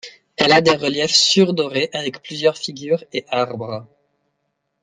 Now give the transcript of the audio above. Elle a des reliefs sur-dorés avec plusieurs figures et arbres.